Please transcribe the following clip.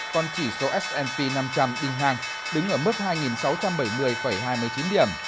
còn chỉ số s p năm trăm linh đinh hai đứng ở mức hai sáu trăm bảy mươi hai mươi chín điểm